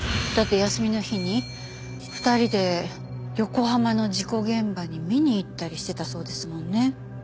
だって休みの日に２人で横浜の事故現場に見に行ったりしてたそうですもんね。